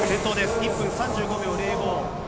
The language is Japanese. １分３５秒０５。